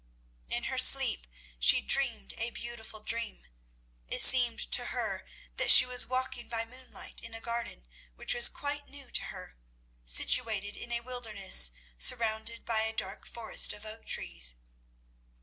In her sleep she dreamed a beautiful dream. It seemed to her that she was walking by moonlight in a garden which was quite new to her, situated in a wilderness surrounded by a dark forest of oak trees.